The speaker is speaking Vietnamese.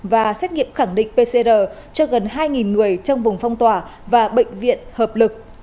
và xét nghiệm khẳng định pcr cho gần hai người trong vùng phong tỏa và bệnh viện hợp lực